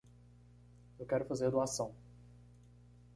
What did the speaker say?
Eu quero fazer doação.